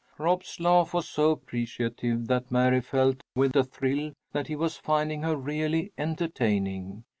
Rob's laugh was so appreciative that Mary felt with a thrill that he was finding her really entertaining.